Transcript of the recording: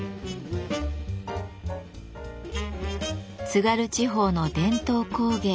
津軽地方の伝統工芸